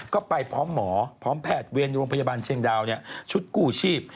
ก็ไปพร้อมหมอพร้อมแพทย์เวรโรงพยาบาลเชียงดาวชุดกู้ชีพ